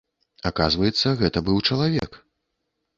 Аказваецца, гэта быў чалавек.